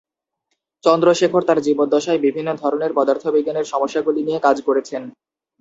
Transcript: চন্দ্রশেখর তার জীবদ্দশায় বিভিন্ন ধরনের পদার্থবিজ্ঞানের সমস্যাগুলি নিয়ে কাজ করেছেন।